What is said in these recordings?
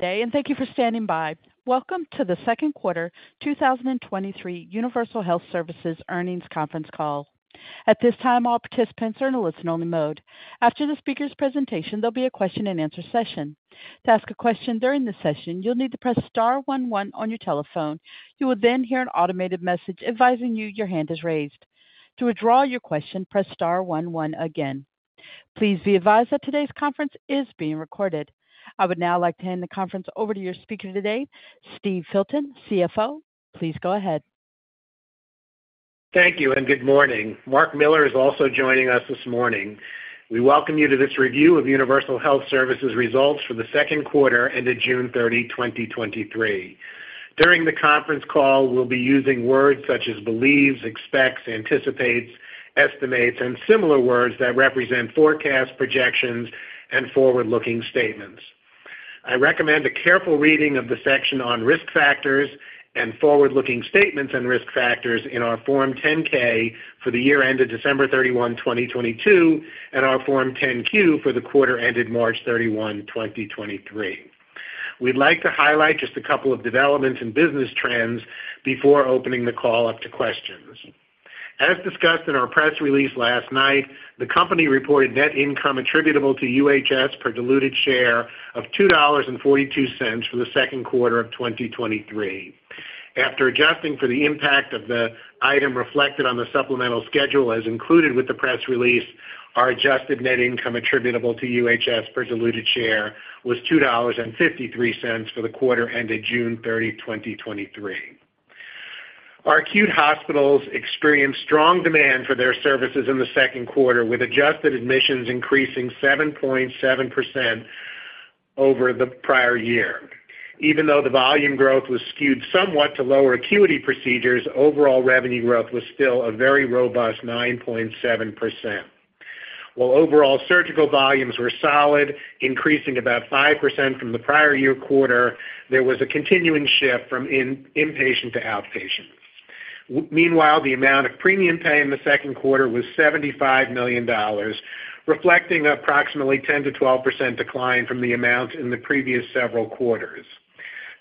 Thank you for standing by. Welcome to the 2nd quarter 2023 Universal Health Services Earnings conference call. At this time, all participants are in a listen-only mode. After the speaker's presentation, there'll be a question-and-answer session. To ask a question during this session, you'll need to press star one one on your telephone. You will then hear an automated message advising you your hand is raised. To withdraw your question, press star one one again. Please be advised that today's conference is being recorded. I would now like to hand the conference over to your speaker today, Steve Filton, CFO. Please go ahead. Thank you, good morning. Marc Miller is also joining us this morning. We welcome you to this review of Universal Health Services results for the second quarter ended June 30, 2023. During the conference call, we'll be using words such as believes, expects, anticipates, estimates, and similar words that represent forecasts, projections, and forward-looking statements. I recommend a careful reading of the section on risk factors and forward-looking statements and risk factors in our Form 10-K for the year ended December 31, 2022, and our Form 10-Q for the quarter ended March 31, 2023. We'd like to highlight just a couple of developments and business trends before opening the call up to questions. As discussed in our press release last night, the company reported net income attributable to UHS per diluted share of $2.42 for the second quarter of 2023. After adjusting for the impact of the item reflected on the supplemental schedule, as included with the press release, our adjusted net income attributable to UHS per diluted share was $2.53 for the quarter ended June 30, 2023. Our acute hospitals experienced strong demand for their services in the second quarter, with adjusted admissions increasing 7.7% over the prior year. Even though the volume growth was skewed somewhat to lower acuity procedures, overall revenue growth was still a very robust 9.7%. While overall surgical volumes were solid, increasing about 5% from the prior year quarter, there was a continuing shift from inpatient to outpatient. Meanwhile, the amount of premium pay in the second quarter was $75 million, reflecting approximately 10%-12% decline from the amount in the previous several quarters.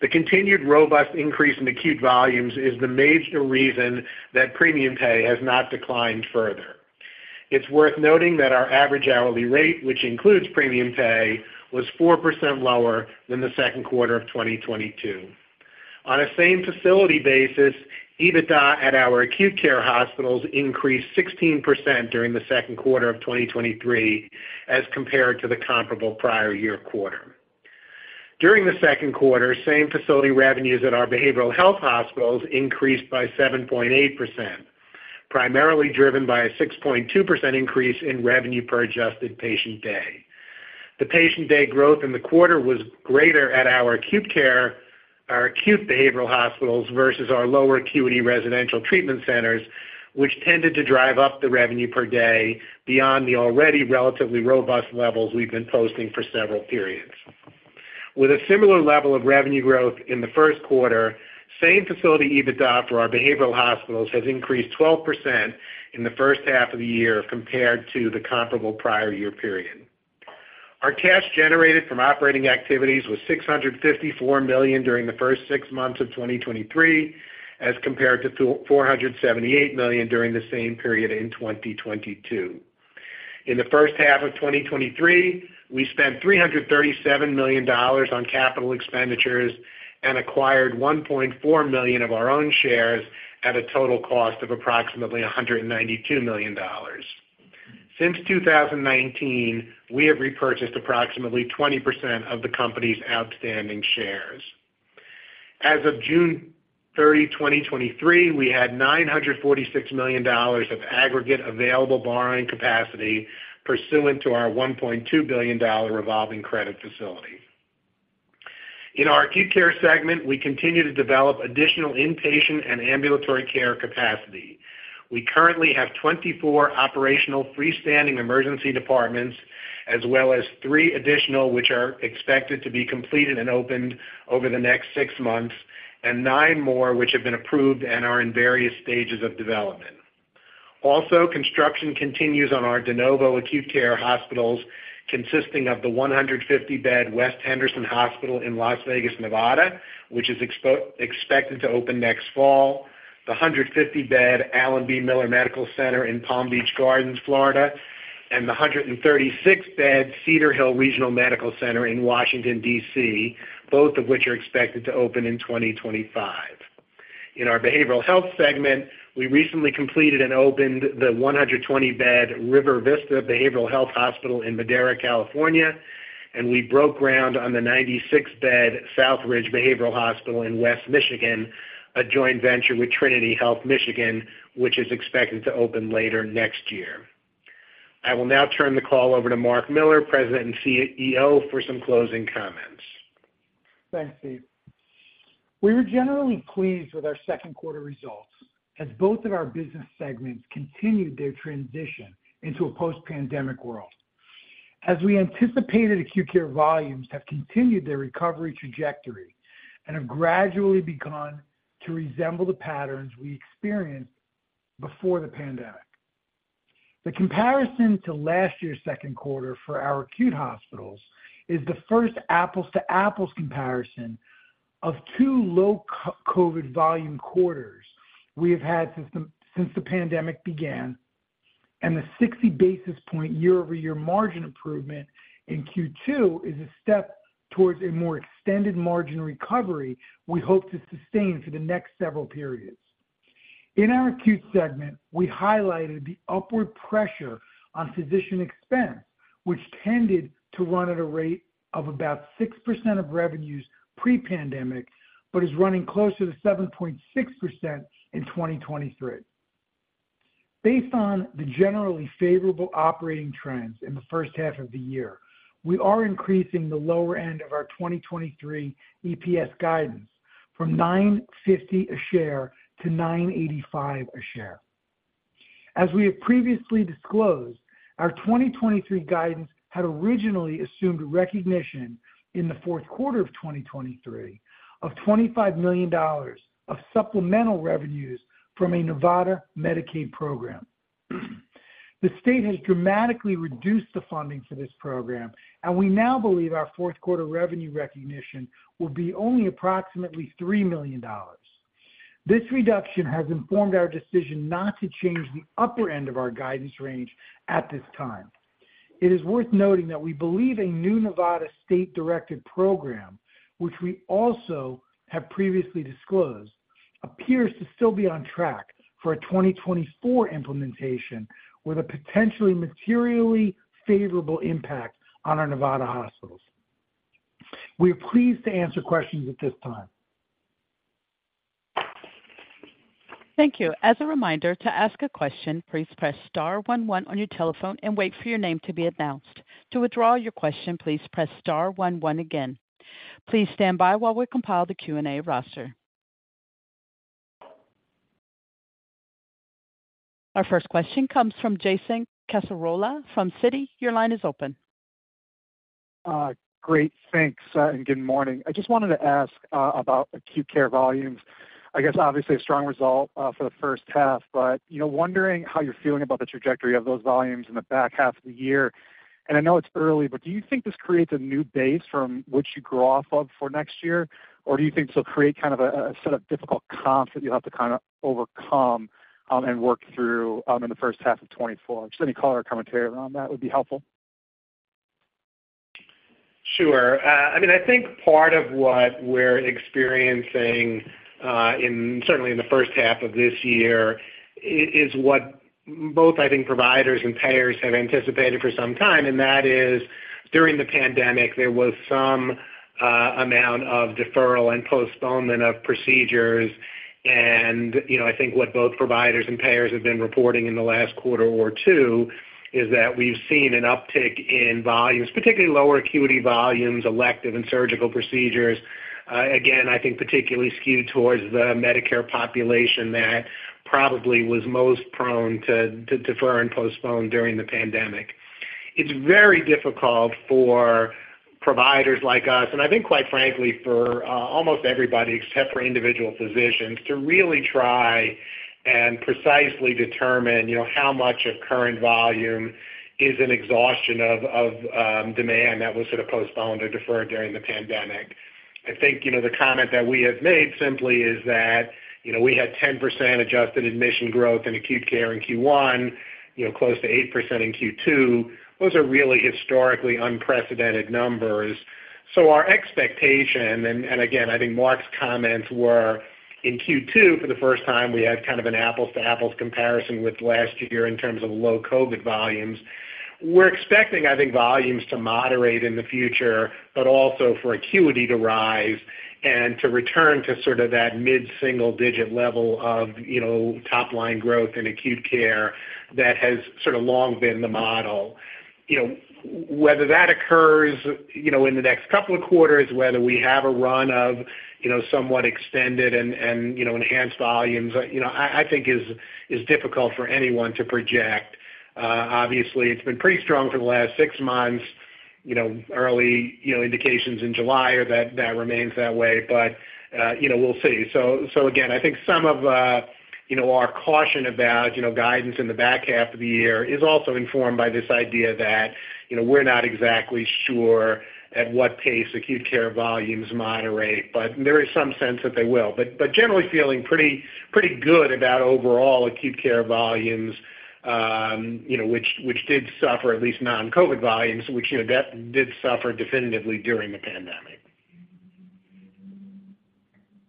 The continued robust increase in acute volumes is the major reason that premium pay has not declined further. It's worth noting that our average hourly rate, which includes premium pay, was 4% lower than the second quarter of 2022. On a same facility basis, EBITDA at our acute care hospitals increased 16% during the second quarter of 2023 as compared to the comparable prior year quarter. During the second quarter, same facility revenues at our behavioral health hospitals increased by 7.8%, primarily driven by a 6.2% increase in revenue per adjusted patient day. The patient day growth in the quarter was greater at our acute behavioral hospitals versus our lower acuity residential treatment centers, which tended to drive up the revenue per day beyond the already relatively robust levels we've been posting for several periods. With a similar level of revenue growth in the first quarter, same facility EBITDA for our behavioral hospitals has increased 12% in the first half of the year compared to the comparable prior year period. Our cash generated from operating activities was $654 million during the first 6 months of 2023, as compared to $478 million during the same period in 2022. In the first half of 2023, we spent $337 million on capital expenditures and acquired 1.4 million of our own shares at a total cost of approximately $192 million. Since 2019, we have repurchased approximately 20% of the company's outstanding shares. As of June 30, 2023, we had $946 million of aggregate available borrowing capacity pursuant to our $1.2 billion revolving credit facility. In our acute care segment, we continue to develop additional inpatient and ambulatory care capacity. We currently have 24 operational freestanding emergency departments, as well as 3 additional, which are expected to be completed and opened over the next 6 months, and 9 more, which have been approved and are in various stages of development. Construction continues on our de novo acute care hospitals, consisting of the 150-bed West Henderson Hospital in Las Vegas, Nevada, which is expected to open next fall, the 150-bed Allen B. Miller Medical Center in Palm Beach Gardens, Florida, and the 136-bed Cedar Hill Regional Medical Center in Washington, D.C., both of which are expected to open in 2025. In our behavioral health segment, we recently completed and opened the 120-bed River Vista Behavioral Health Hospital in Madera, California, and we broke ground on the 96-bed Southridge Behavioral Hospital in West Michigan, a joint venture with Trinity Health Michigan, which is expected to open later next year. I will now turn the call over to Marc Miller, President and CEO, for some closing comments. Thanks, Steve. We were generally pleased with our second quarter results, as both of our business segments continued their transition into a post-pandemic world. As we anticipated, acute care volumes have continued their recovery trajectory and have gradually begun to resemble the patterns we experienced before the pandemic. The comparison to last year's second quarter for our acute hospitals is the first apples-to-apples comparison of two low COVID volume quarters we have had since the pandemic began. The 60 basis point year-over-year margin improvement in Q2 is a step towards a more extended margin recovery we hope to sustain for the next several periods. In our acute segment, we highlighted the upward pressure on physician expense, which tended to run at a rate of about 6% of revenues pre-pandemic, but is running closer to 7.6% in 2023. Based on the generally favorable operating trends in the first half of the year, we are increasing the lower end of our 2023 EPS guidance from $9.50 a share to $9.85 a share. As we have previously disclosed, our 2023 guidance had originally assumed recognition in the fourth quarter of 2023 of $25 million of supplemental revenues from a Nevada Medicaid program. The state has dramatically reduced the funding for this program, and we now believe our fourth quarter revenue recognition will be only approximately $3 million. This reduction has informed our decision not to change the upper end of our guidance range at this time. It is worth noting that we believe a new Nevada state-directed program, which we also have previously disclosed, appears to still be on track for a 2024 implementation, with a potentially materially favorable impact on our Nevada hospitals. We are pleased to answer questions at this time. Thank you. As a reminder, to ask a question, please press star one on your telephone and wait for your name to be announced. To withdraw your question, please press star one again. Please stand by while we compile the Q&A roster. Our first question comes from Jason Cassorla from Citi. Your line is open. Great. Thanks, and good morning. I just wanted to ask about acute care volumes. I guess, obviously, a strong result for the first half, but, you know, wondering how you're feeling about the trajectory of those volumes in the back half of the year. I know it's early, but do you think this creates a new base from which you grow off of for next year? Or do you think this will create kind of a set of difficult comps that you'll have to kinda overcome and work through in the first half of 2024? Just any color or commentary around that would be helpful. Sure. I mean, I think part of what we're experiencing, in, certainly in the first half of this year, is what both, I think, providers and payers have anticipated for some time, and that is, during the pandemic, there was some amount of deferral and postponement of procedures. You know, I think what both providers and payers have been reporting in the last quarter or two is that we've seen an uptick in volumes, particularly lower acuity volumes, elective and surgical procedures. Again, I think particularly skewed towards the Medicare population that probably was most prone to defer and postpone during the pandemic. It's very difficult for providers like us, and I think quite frankly, for almost everybody, except for individual physicians, to really try and precisely determine, you know, how much of current volume is an exhaustion of demand that was sort of postponed or deferred during the pandemic. I think, you know, the comment that we have made simply is that, you know, we had 10% adjusted admission growth in acute care in Q1, you know, close to 8% in Q2. Those are really historically unprecedented numbers. Our expectation, and again, I think Marc's comments were in Q2 for the first time, we had kind of an apples-to-apples comparison with last year in terms of low COVID volumes. We're expecting, I think, volumes to moderate in the future, but also for acuity to rise and to return to sort of that mid-single digit level of, you know, top line growth in acute care that has sort of long been the model. You know, whether that occurs, you know, in the next couple of quarters, whether we have a run of, you know, somewhat extended and, you know, enhanced volumes, you know, I think is difficult for anyone to project. Obviously, it's been pretty strong for the last six months, you know, early, you know, indications in July are that remains that way, but, you know, we'll see. Again, I think some of, you know, our caution about, you know, guidance in the back half of the year is also informed by this idea that, you know, we're not exactly sure at what pace acute care volumes moderate, but there is some sense that they will. Generally feeling pretty good about overall acute care volumes, you know, which did suffer, at least non-COVID volumes, which, you know, that did suffer definitively during the pandemic.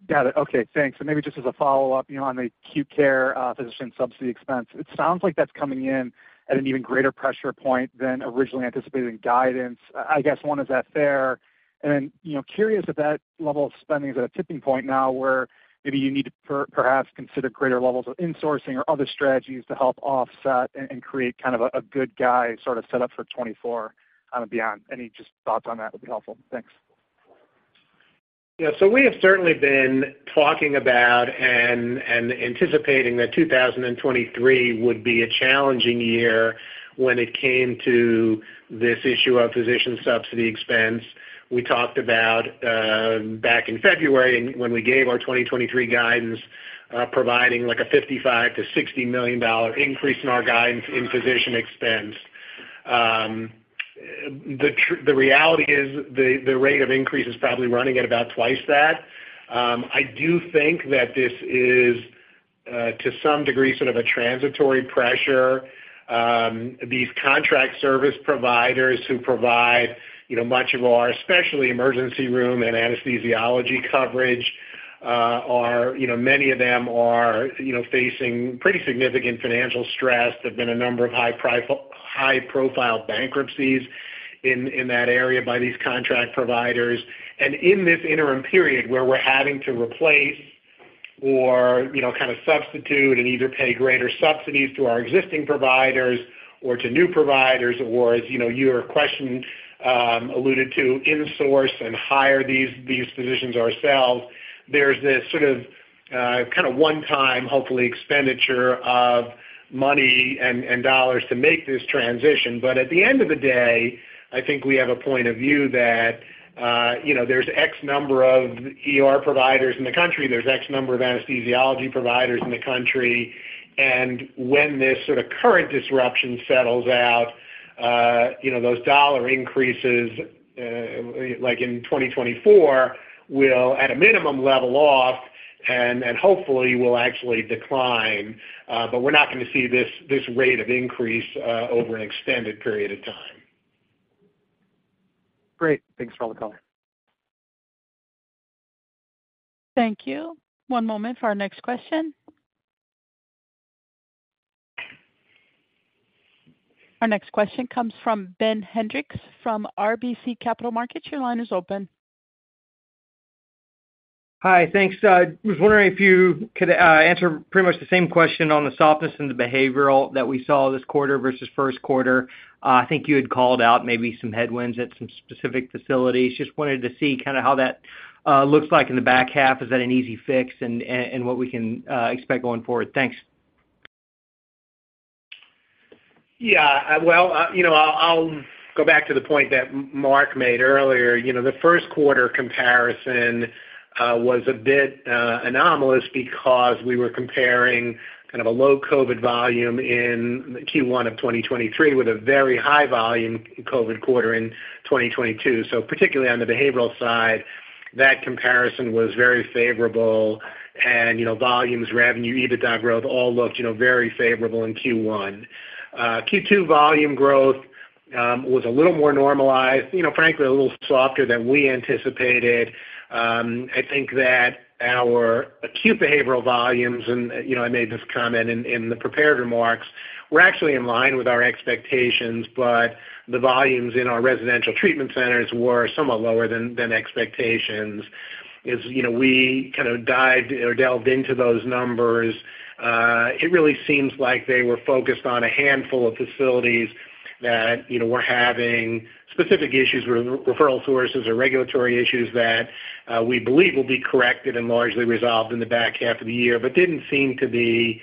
Got it. Okay, thanks. Maybe just as a follow-up, you know, on the acute care physician subsidy expense, it sounds like that's coming in at an even greater pressure point than originally anticipated in guidance. I guess, one, is that fair? You know, curious if that level of spending is at a tipping point now where maybe you need to perhaps consider greater levels of insourcing or other strategies to help offset and create kind of a good guy sort of set up for 2024 and beyond. Any just thoughts on that would be helpful. Thanks. We have certainly been talking about and anticipating that 2023 would be a challenging year when it came to this issue of physician subsidy expense, we talked about back in February, and when we gave our 2023 guidance, providing like a $55 million-$60 million increase in our guidance in physician expense. The reality is the rate of increase is probably running at about twice that. I do think that this is to some degree, sort of a transitory pressure. These contract service providers who provide, you know, much of our, especially emergency room and anesthesiology coverage, many of them are, you know, facing pretty significant financial stress. There have been a number of high-profile bankruptcies in that area by these contract providers. In this interim period, where we're having to replace or, you know, kind of substitute and either pay greater subsidies to our existing providers or to new providers, or as, you know, your question alluded to, insource and hire these physicians ourselves. There's this sort of, kind of one-time, hopefully, expenditure of money and dollars to make this transition. At the end of the day, I think we have a point of view that, you know, there's X number of ER providers in the country. There's X number of anesthesiology providers in the country. When this sort of current disruption settles out, you know, those dollar increases, like in 2024, will, at a minimum, level off and hopefully, will actually decline. We're not going to see this rate of increase over an extended period of time. Great. Thanks for all the color. Thank you. One moment for our next question. Our next question comes from Ben Hendrix from RBC Capital Markets. Your line is open. Hi, thanks. I was wondering if you could answer pretty much the same question on the softness and the behavioral that we saw this quarter versus first quarter. I think you had called out maybe some headwinds at some specific facilities. Just wanted to see kind of how that looks like in the back half. Is that an easy fix, and what we can expect going forward? Thanks. Well, you know, I'll go back to the point that Marc made earlier. You know, the first quarter comparison was a bit anomalous because we were comparing kind of a low COVID volume in Q1 of 2023, with a very high volume COVID quarter in 2022. Particularly on the behavioral side, that comparison was very favorable. You know, volumes, revenue, EBITDA growth, all looked, you know, very favorable in Q1. Q2 volume growth was a little more normalized, you know, frankly, a little softer than we anticipated. I think that our acute behavioral volumes, and, you know, I made this comment in the prepared remarks, were actually in line with our expectations, but the volumes in our residential treatment centers were somewhat lower than expectations. As, you know, we kind of dived or delved into those numbers, it really seems like they were focused on a handful of facilities that, you know, were having specific issues with re- referral sources or regulatory issues that we believe will be corrected and largely resolved in the back half of the year. Didn't seem to be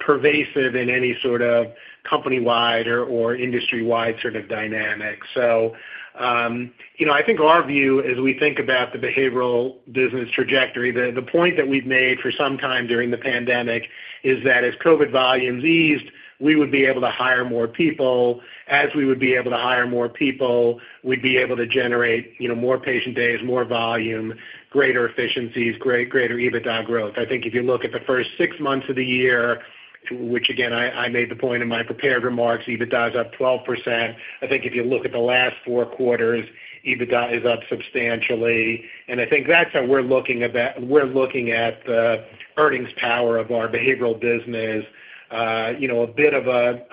pervasive in any sort of company-wide or industry-wide sort of dynamic. You know, I think our view as we think about the behavioral business trajectory, the point that we've made for some time during the pandemic is that as COVID volumes eased, we would be able to hire more people. As we would be able to hire more people, we'd be able to generate, you know, more patient days, more volume, greater efficiencies, greater EBITDA growth. I think if you look at the first six months of the year, which again, I made the point in my prepared remarks, EBITDA is up 12%. I think if you look at the last four quarters, EBITDA is up substantially. I think that's how we're looking at that. We're looking at the earnings power of our behavioral business. You know, a bit of a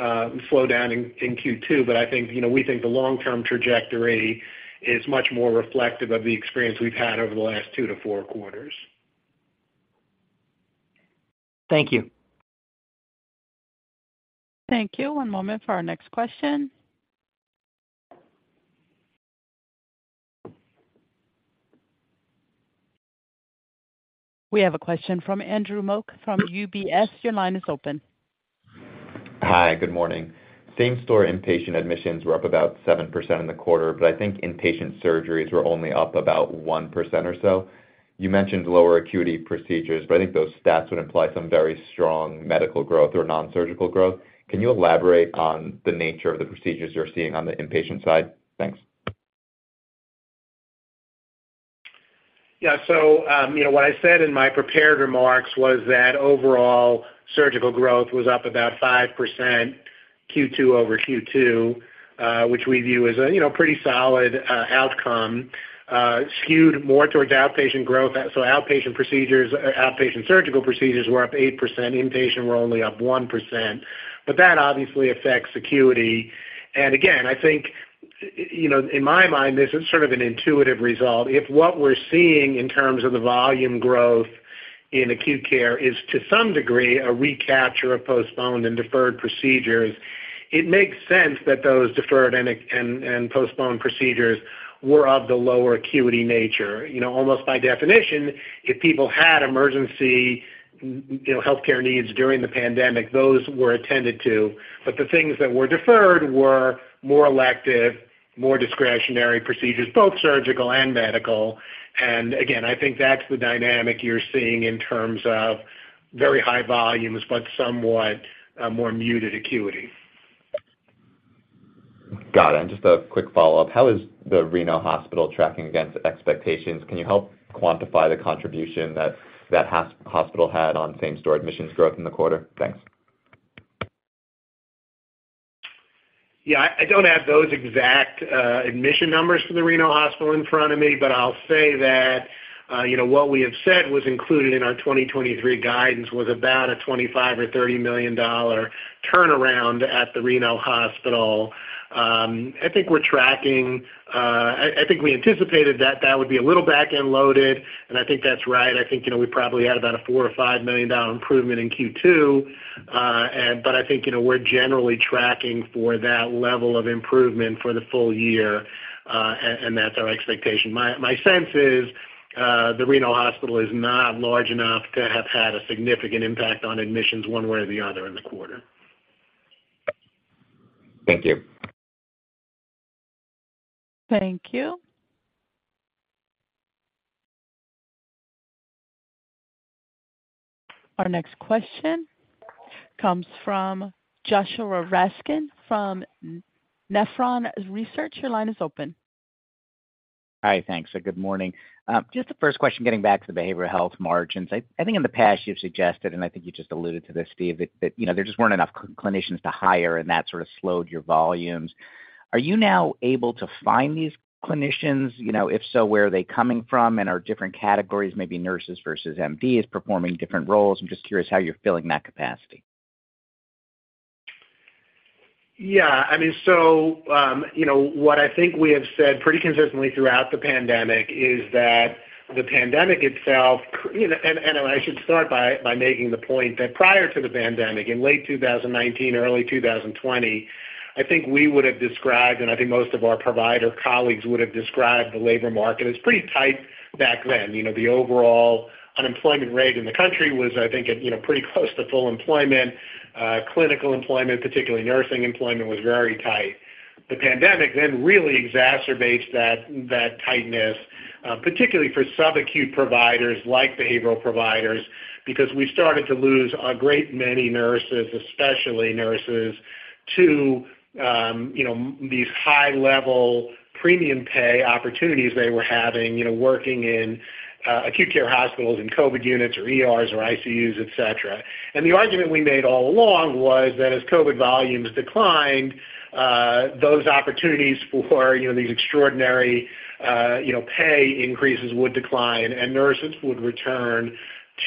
slowdown in Q2, I think, you know, we think the long-term trajectory is much more reflective of the experience we've had over the last 2-4 quarters. Thank you. Thank you. One moment for our next question. We have a question from Andrew Mok, from UBS. Your line is open. Hi, good morning. Same-store inpatient admissions were up about 7% in the quarter, but I think inpatient surgeries were only up about 1% or so. You mentioned lower acuity procedures, but I think those stats would imply some very strong medical growth or nonsurgical growth. Can you elaborate on the nature of the procedures you're seeing on the inpatient side? Thanks. Yeah. You know, what I said in my prepared remarks was that overall surgical growth was up about 5%, Q2 over Q2, which we view as a, you know, pretty solid outcome, skewed more towards outpatient growth. Outpatient procedures, outpatient surgical procedures were up 8%. Inpatient were only up 1%, but that obviously affects acuity. Again, I think, you know, in my mind, this is sort of an intuitive result. If what we're seeing in terms of the volume growth in acute care is, to some degree, a recapture of postponed and deferred procedures. It makes sense that those deferred and postponed procedures were of the lower acuity nature. You know, almost by definition, if people had emergency, you know, healthcare needs during the pandemic, those were attended to. The things that were deferred were more elective, more discretionary procedures, both surgical and medical. Again, I think that's the dynamic you're seeing in terms of very high volumes, but somewhat more muted acuity. Got it. Just a quick follow-up: How is the Reno Hospital tracking against expectations? Can you help quantify the contribution that hospital had on same-store admissions growth in the quarter? Thanks. I don't have those exact admission numbers for the Reno Hospital in front of me, but I'll say that, you know, what we have said was included in our 2023 guidance was about a $25 million or $30 million turnaround at the Reno Hospital. I think we're tracking, I think we anticipated that that would be a little back-end loaded, and I think that's right. I think, you know, we probably had about a $4 million or $5 million improvement in Q2. I think, you know, we're generally tracking for that level of improvement for the full year, and that's our expectation. My sense is, the Reno Hospital is not large enough to have had a significant impact on admissions one way or the other in the quarter. Thank you. Thank you. Our next question comes from Joshua Raskin from Nephron Research. Your line is open. Hi, thanks. Good morning. Just the first question, getting back to the behavioral health margins. I think in the past you've suggested, and I think you just alluded to this, Steve, that, you know, there just weren't enough clinicians to hire, and that sort of slowed your volumes. Are you now able to find these clinicians? You know, if so, where are they coming from, and are different categories, maybe nurses versus MDs, performing different roles? I'm just curious how you're filling that capacity. I mean, you know, what I think we have said pretty consistently throughout the pandemic is that the pandemic itself, you know, I should start by making the point that prior to the pandemic, in late 2019, early 2020, I think we would have described, and I think most of our provider colleagues would have described the labor market as pretty tight back then. The overall unemployment rate in the country was, I think, you know, pretty close to full employment. Clinical employment, particularly nursing employment, was very tight. The pandemic then really exacerbates that tightness, particularly for subacute providers, like behavioral providers, because we started to lose a great many nurses, especially nurses, to, you know, these high-level premium pay opportunities they were having, you know, working in acute care hospitals, in COVID units or ERs or ICUs, et cetera. The argument we made all along was that as COVID volumes declined, those opportunities for, you know, these extraordinary, you know, pay increases would decline, and nurses would return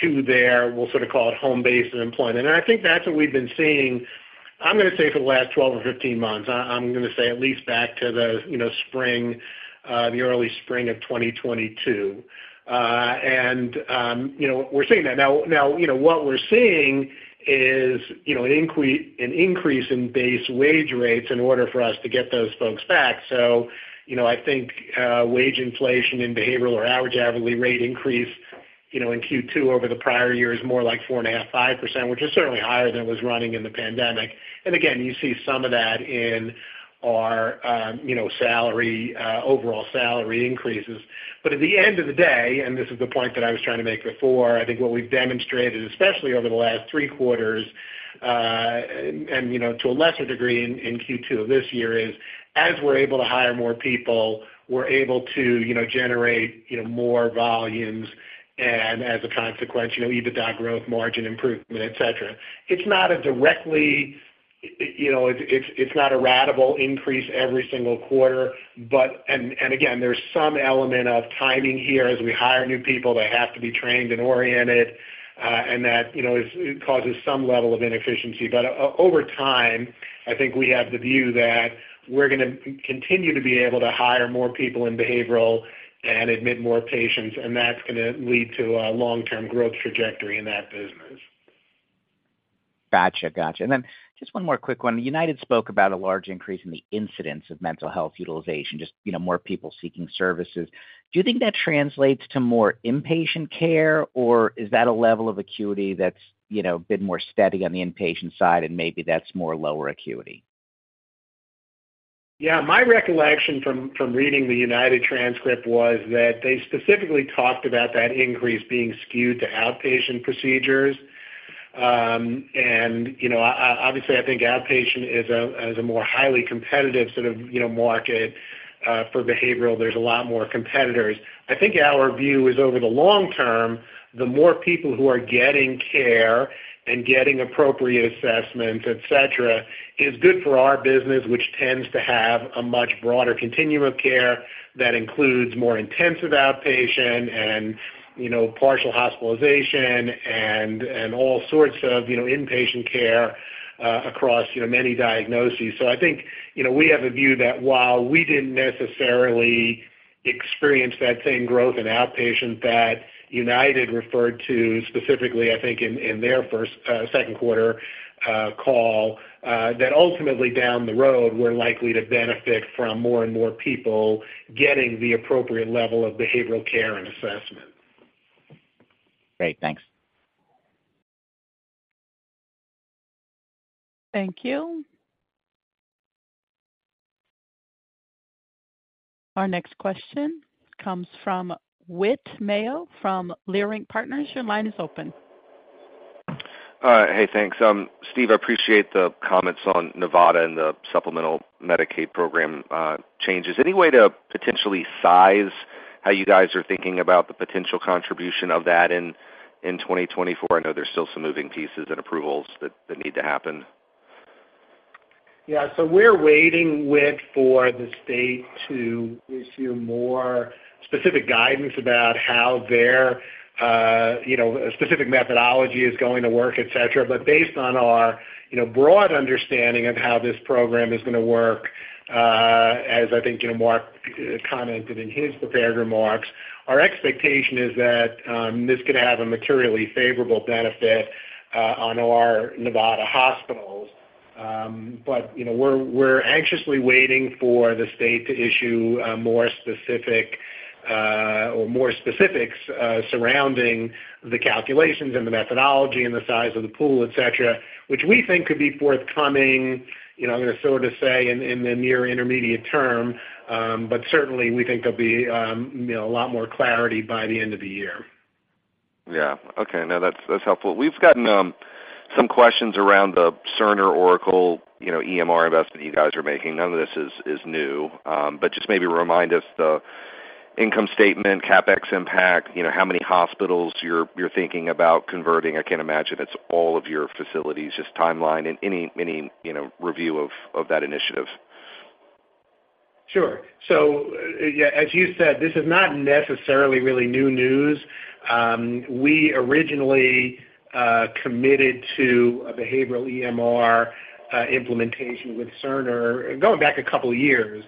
to their, we'll sort of call it, home base and employment. I think that's what we've been seeing, I'm gonna say, for the last 12 or 15 months. I'm gonna say at least back to the, you know, spring, the early spring of 2022. You know, we're seeing that now. You know, what we're seeing is, you know, an increase in base wage rates in order for us to get those folks back. You know, I think, wage inflation in behavioral or average hourly rate increase, you know, in Q2 over the prior year is more like 4.5%-5%, which is certainly higher than it was running in the pandemic. Again, you see some of that in our, you know, salary, overall salary increases. At the end of the day, and this is the point that I was trying to make before, I think what we've demonstrated, especially over the last three quarters, and, you know, to a lesser degree in Q2 of this year, is as we're able to hire more people, we're able to, you know, generate, you know, more volumes, and as a consequence, you know, EBITDA growth, margin improvement, et cetera. It's not, you know, it's not a ratable increase every single quarter. Again, there's some element of timing here. As we hire new people, they have to be trained and oriented, and that, you know, it causes some level of inefficiency. Over time, I think we have the view that we're gonna continue to be able to hire more people in behavioral and admit more patients, and that's gonna lead to a long-term growth trajectory in that business. Gotcha. Just one more quick one. United spoke about a large increase in the incidence of mental health utilization, just, you know, more people seeking services. Do you think that translates to more inpatient care, or is that a level of acuity that's, you know, a bit more steady on the inpatient side, and maybe that's more lower acuity? Yeah, my recollection from reading the United transcript was that they specifically talked about that increase being skewed to outpatient procedures. You know, obviously, I think outpatient is a, is a more highly competitive sort of, you know, market. For behavioral, there's a lot more competitors. I think our view is over the long term, the more people who are getting care and getting appropriate assessments, et cetera, is good for our business, which tends to have a much broader continuum of care that includes more intensive outpatient and, you know, partial hospitalization and all sorts of, you know, inpatient care. Across, you know, many diagnoses. I think, you know, we have a view that while we didn't necessarily experience that same growth in outpatient that United referred to specifically, I think, in their first, second quarter, call, that ultimately down the road, we're likely to benefit from more and more people getting the appropriate level of behavioral care and assessment. Great, thanks. Thank you. Our next question comes from Whit Mayo from Leerink Partners. Your line is open. Hey, thanks. Steve, I appreciate the comments on Nevada and the supplemental Medicaid program changes. Any way to potentially size how you guys are thinking about the potential contribution of that in 2024? I know there's still some moving pieces and approvals that need to happen. We're waiting, Whit, for the state to issue more specific guidance about how their, you know, specific methodology is going to work, et cetera. Based on our, you know, broad understanding of how this program is going to work, as I think, you know, Marc commented in his prepared remarks, our expectation is that this could have a materially favorable benefit on our Nevada hospitals. We're anxiously waiting for the state to issue a more specific, or more specifics, surrounding the calculations and the methodology and the size of the pool, et cetera, which we think could be forthcoming, you know, I'm going to so to say, in the near intermediate term. Certainly we think there'll be, you know, a lot more clarity by the end of the year. Yeah. Okay. No, that's helpful. We've gotten some questions around the Cerner Oracle, you know, EMR investment you guys are making. None of this is new, but just maybe remind us the income statement, CapEx impact, you know, how many hospitals you're thinking about converting. I can't imagine it's all of your facilities, just timeline and any, you know, review of that initiative? Sure. Yeah, as you said, this is not necessarily really new news. We originally committed to a behavioral EMR implementation with Cerner, going back a couple of years,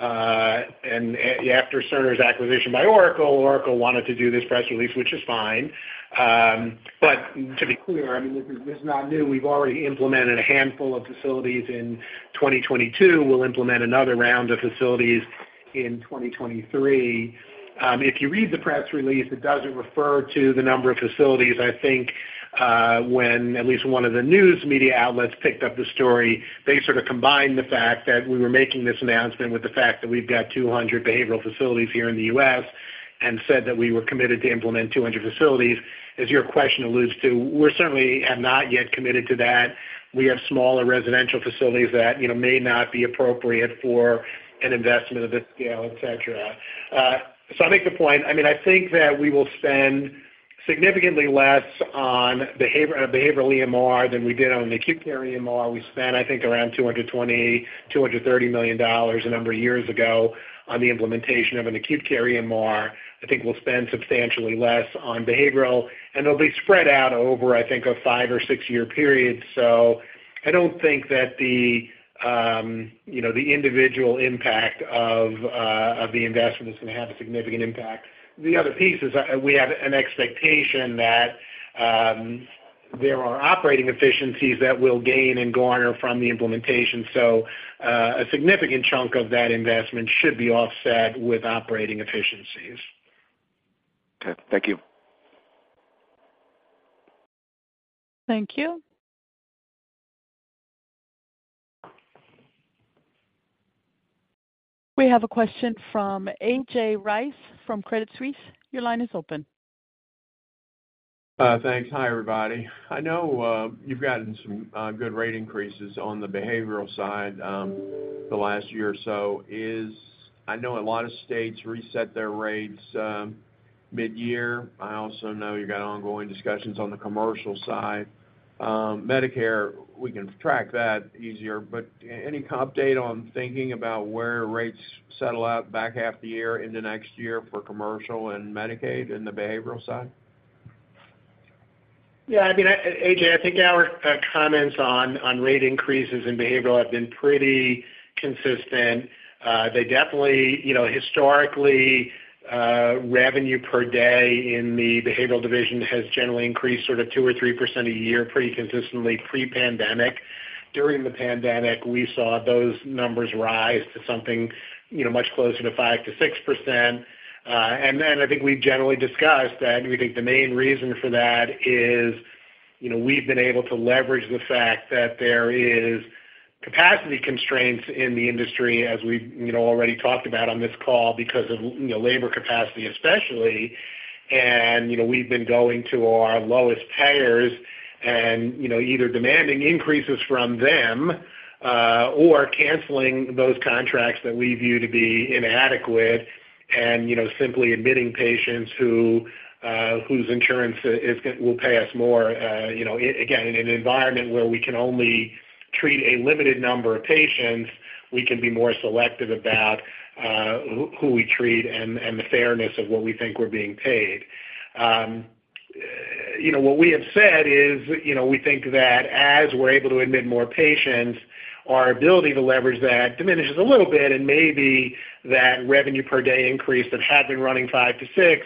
and after Cerner's acquisition by Oracle wanted to do this press release, which is fine. To be clear, I mean, this is not new. We've already implemented a handful of facilities in 2022. We'll implement another round of facilities in 2023. If you read the press release, it doesn't refer to the number of facilities. I think, when at least one of the news media outlets picked up the story, they sort of combined the fact that we were making this announcement with the fact that we've got 200 behavioral facilities here in the U.S. and said that we were committed to implement 200 facilities. As your question alludes to, we certainly have not yet committed to that. We have smaller residential facilities that, you know, may not be appropriate for an investment of this scale, et cetera. I make the point, I mean, I think that we will spend significantly less on behavioral EMR than we did on acute care EMR. We spent, I think, around $220 million-$230 million a number of years ago on the implementation of an acute care EMR. I think we'll spend substantially less on behavioral, and it'll be spread out over, I think, a 5 or 6-year period. I don't think that the, you know, the individual impact of the investment is going to have a significant impact. The other piece is we have an expectation that, there are operating efficiencies that we'll gain and garner from the implementation. A significant chunk of that investment should be offset with operating efficiencies. Okay. Thank you. Thank you. We have a question from A.J. Rice from Credit Suisse. Your line is open. Thanks. Hi, everybody. I know you've gotten some good rate increases on the behavioral side, the last year or so. I know a lot of states reset their rates mid-year. I also know you got ongoing discussions on the commercial side. Medicare, we can track that easier, any update on thinking about where rates settle out back half the year into next year for commercial and Medicaid in the behavioral side? I mean, A.J. Rice, I think our comments on rate increases in behavioral have been pretty consistent. They definitely, you know, historically, revenue per day in the behavioral division has generally increased sort of 2% or 3% a year, pretty consistently pre-pandemic. During the pandemic, we saw those numbers rise to something, you know, much closer to 5%-6%. I think we've generally discussed that we think the main reason for that is, you know, we've been able to leverage the fact that there is capacity constraints in the industry, as we've, you know, already talked about on this call, because of, you know, labor capacity, especially. You know, we've been going to our lowest payers and, you know, either demanding increases from them or canceling those contracts that we view to be inadequate and, you know, simply admitting patients who whose insurance will pay us more, you know, again, in an environment where we can only treat a limited number of patients, we can be more selective about who we treat and the fairness of what we think we're being paid. You know, what we have said is, you know, we think that as we're able to admit more patients, our ability to leverage that diminishes a little bit, and maybe that revenue per day increase that had been running 5%-6%,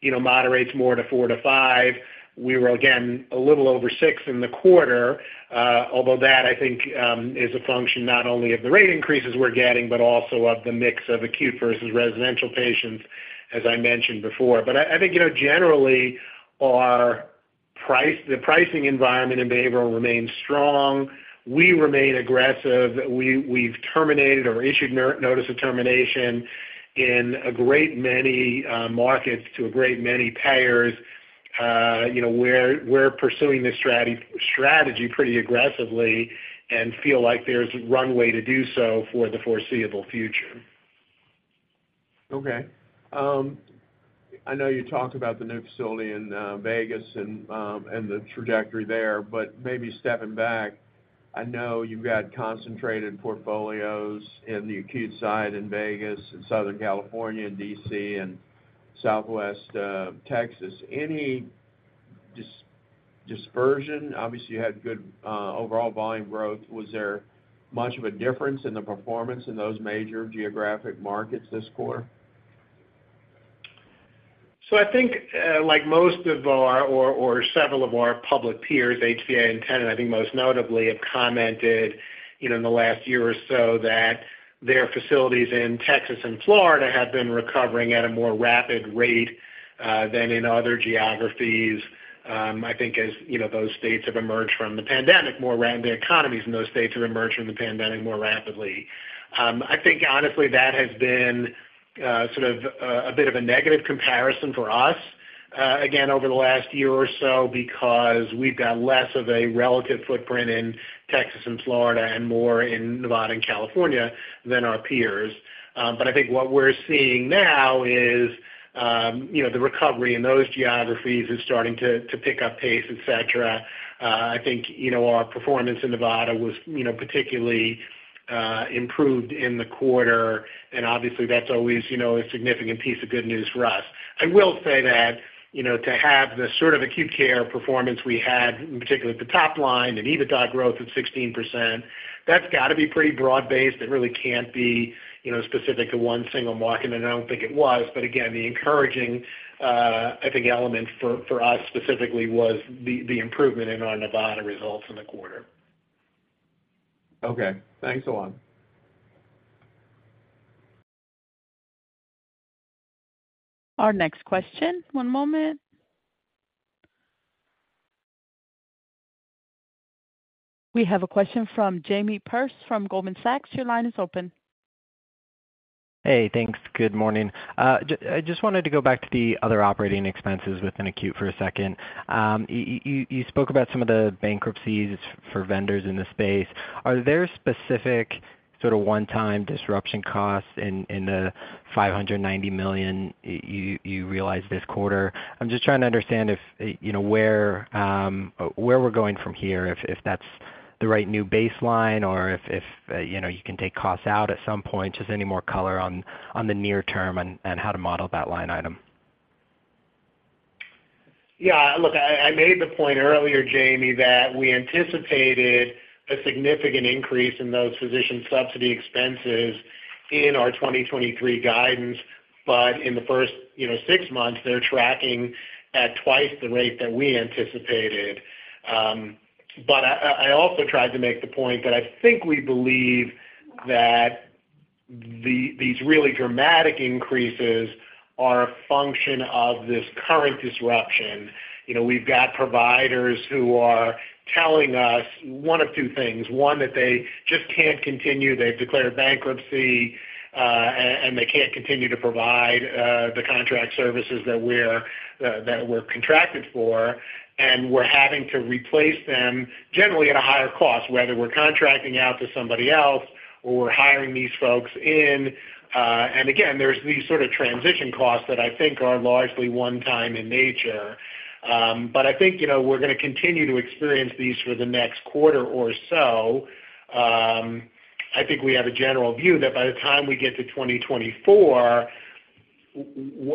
you know, moderates more to 4%-5%. We were, again, a little over six in the quarter, although that I think is a function not only of the rate increases we're getting, but also of the mix of acute versus residential patients, as I mentioned before. I think, you know, generally, the pricing environment in behavioral remains strong. We remain aggressive. We've terminated or issued notice of termination in a great many markets to a great many payers. You know, we're pursuing this strategy pretty aggressively and feel like there's runway to do so for the foreseeable future. Okay. I know you talked about the new facility in Vegas and the trajectory there, but maybe stepping back, I know you've got concentrated portfolios in the acute side in Vegas and Southern California and D.C. and Southwest Texas. Any dispersion? Obviously, you had good overall volume growth. Was there much of a difference in the performance in those major geographic markets this quarter? I think, like most of our or several of our public peers, HCA and Tenet, I think most notably, have commented, you know, in the last year or so, that their facilities in Texas and Florida have been recovering at a more rapid rate than in other geographies. I think as, you know, those states have emerged from the pandemic, the economies in those states have emerged from the pandemic more rapidly. I think honestly, that has been sort of a bit of a negative comparison for us again, over the last year or so, because we've got less of a relative footprint in Texas and Florida and more in Nevada and California than our peers. I think what we're seeing now is, you know, the recovery in those geographies is starting to pick up pace, et cetera. I think, you know, our performance in Nevada was, you know, particularly improved in the quarter. Obviously, that's always, you know, a significant piece of good news for us. I will say that, you know, to have the sort of acute care performance we had, in particular at the top line, an EBITDA growth of 16%, that's got to be pretty broad-based. It really can't be, you know, specific to one single market. I don't think it was. Again, the encouraging, I think element for us specifically was the improvement in our Nevada results in the quarter. Okay. Thanks a lot. Our next question. One moment. We have a question from Jamie Perse from Goldman Sachs. Your line is open. Hey, thanks. Good morning. I just wanted to go back to the other operating expenses within acute for a second. You spoke about some of the bankruptcies for vendors in the space. Are there specific sort of one-time disruption costs in the $590 million you realized this quarter? I'm just trying to understand if, you know, where we're going from here, if that's the right new baseline or if, you know, you can take costs out at some point. Just any more color on the near term and how to model that line item. Yeah, look, I made the point earlier, Jamie, that we anticipated a significant increase in those physician subsidy expenses in our 2023 guidance, but in the first, you know, 6 months, they're tracking at twice the rate that we anticipated. I also tried to make the point that I think we believe that these really dramatic increases are a function of this current disruption. You know, we've got providers who are telling us one of two things: one, that they just can't continue. They've declared bankruptcy, and they can't continue to provide the contract services that we're that we're contracted for, and we're having to replace them, generally at a higher cost, whether we're contracting out to somebody else or we're hiring these folks in. Again, there's these sort of transition costs that I think are largely one time in nature. I think, you know, we're gonna continue to experience these for the next quarter or so. I think we have a general view that by the time we get to 2024,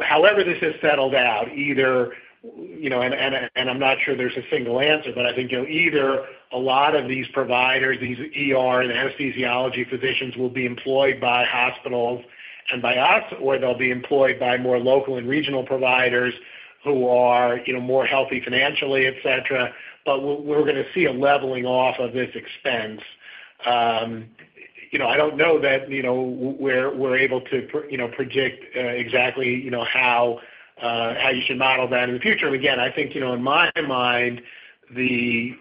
however this is settled out, either, you know, and I'm not sure there's a single answer, but I think, you know, either a lot of these providers, these ER and anesthesiology physicians, will be employed by hospitals and by us, or they'll be employed by more local and regional providers who are, you know, more healthy financially, et cetera, but we're gonna see a leveling off of this expense. you know, I don't know that, you know, we're able to you know, predict exactly, you know, how you should model that in the future. Again, I think, you know, in my mind, the,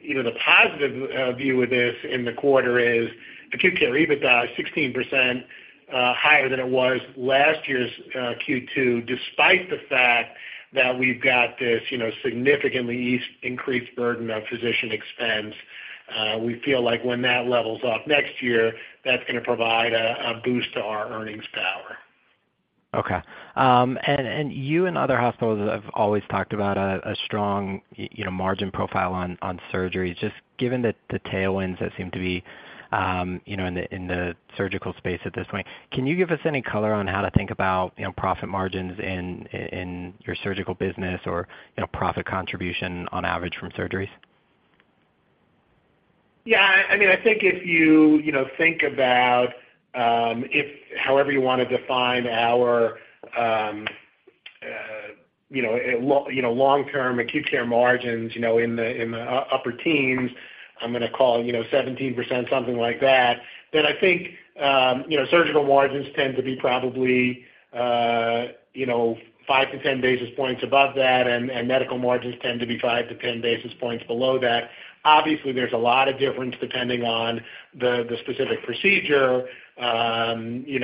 you know, the positive view of this in the quarter is acute care EBITDA is 16% higher than it was last year's Q2, despite the fact that we've got this, you know, significantly increased burden of physician expense. We feel like when that levels off next year, that's gonna provide a boost to our earnings power. Okay. And you and other hospitals have always talked about a strong, you know, margin profile on surgery, just given the tailwinds that seem to be, you know, in the, in the surgical space at this point. Can you give us any color on how to think about, you know, profit margins in your surgical business or, you know, profit contribution on average from surgeries? I think if you think about if however you want to define our long-term acute care margins in the upper teens, I'm gonna call 17%, something like that, then I think surgical margins tend to be probably 5-10 basis points above that, and medical margins tend to be 5-10 basis points below that. Obviously, there's a lot of difference depending on the specific procedure, the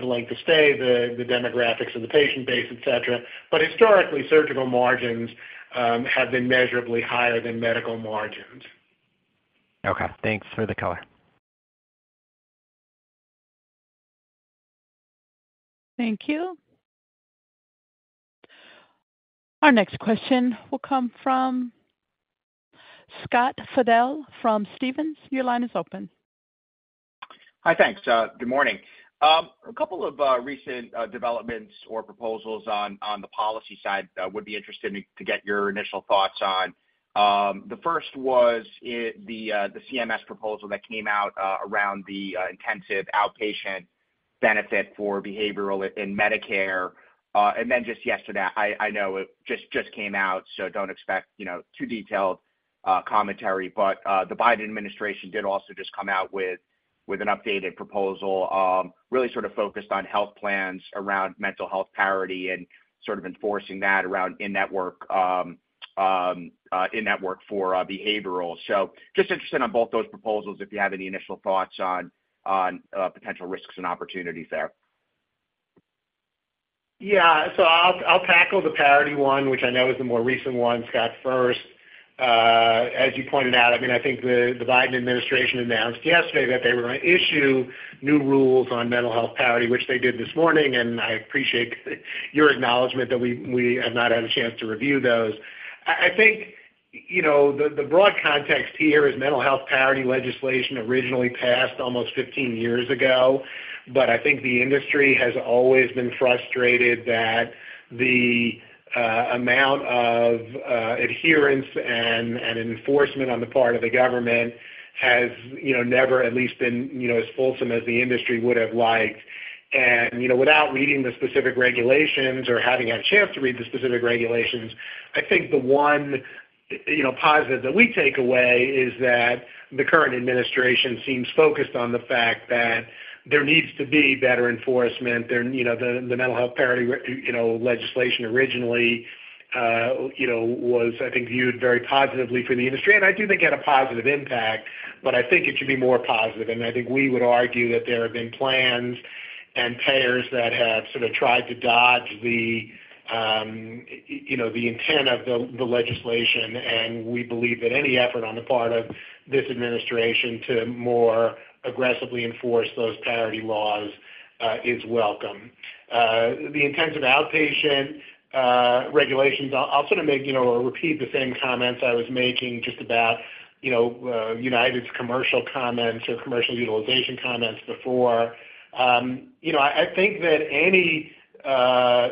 length of stay, the demographics of the patient base, et cetera. Historically, surgical margins have been measurably higher than medical margins. Okay. Thanks for the color. Thank you. Our next question will come from Scott Fidel from Stephens. Your line is open. Hi, thanks. Good morning. A couple of recent developments or proposals on the policy side, I would be interested to get your initial thoughts on. The first was the CMS proposal that came out around the intensive outpatient benefit for behavioral in Medicare. Just yesterday, I know it just came out, so don't expect, you know, too detailed commentary, the Biden administration did also just come out with an updated proposal, really sort of focused on health plans around mental health parity and sort of enforcing that around in-network in-network for behavioral. Just interested on both those proposals, if you have any initial thoughts on potential risks and opportunities there. Yeah. I'll tackle the parity one, which I know is the more recent one, Scott, first. As you pointed out, I mean, I think the Biden administration announced yesterday that they were gonna issue new rules on mental health parity, which they did this morning. I appreciate your acknowledgment that we have not had a chance to review those. I think, you know, the broad context here is mental health parity legislation originally passed almost 15 years ago, but I think the industry has always been frustrated that the amount of adherence and enforcement on the part of the government has, you know, never at least been, you know, as fulsome as the industry would have liked. You know, without reading the specific regulations or having had a chance to read the specific regulations, I think the one, you know, positive that we take away is that the current administration seems focused on the fact that there needs to be better enforcement. You know, the mental health parity legislation originally, you know, was, I think, viewed very positively for the industry, and I do think had a positive impact, but I think it should be more positive. I think we would argue that there have been plans and payers that have sort of tried to dodge the, you know, the intent of the legislation, and we believe that any effort on the part of this administration to more aggressively enforce those parity laws is welcome. The intensive outpatient regulations, I'll sort of make, you know, or repeat the same comments I was making just about, you know, United's commercial comments or commercial utilization comments before. You know, I think that any,